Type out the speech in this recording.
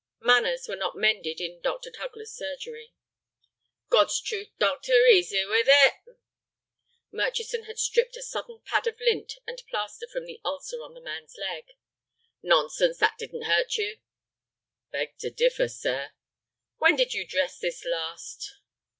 Manners were not mended in Dr. Tugler's surgery. "God's truth, doct'r, easy with it—" Murchison had stripped a sodden pad of lint and plaster from the ulcer on the man's leg. "Nonsense; that didn't hurt you." "Beg to differ, sir." "When did you dress this last?"